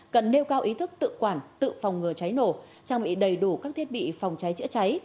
cần nêu cao ý thức tự quản tự phòng ngừa cháy nổ trang bị đầy đủ các thiết bị phòng cháy chữa cháy